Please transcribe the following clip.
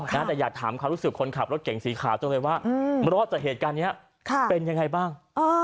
แต่อยากถามความรู้สึกคนขับรถเก่งสีขาวจังเลยว่ารอดจากเหตุการณ์นี้เป็นยังไงบ้าง